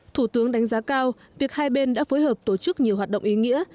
thủ tướng đánh giá cao việc hai bên đã phối hợp tổ chức nhiều hoạt động ý nghĩa